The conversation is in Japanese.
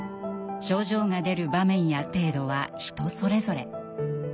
症状が出る場面や程度は人それぞれ。